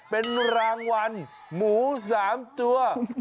เป็นรางวัลหมู๓ตัว